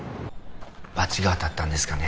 バチが当たったんですかね